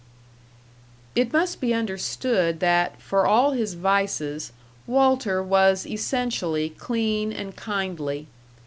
It must be understood that, for all his vices, Walter was essentially clean and kindly.